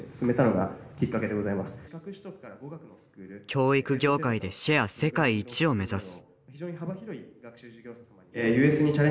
教育業界でシェア世界一を目指す。